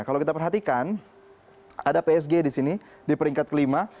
kalau kita perhatikan ada psg di sini di peringkat kelima